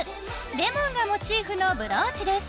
レモンがモチーフのブローチです。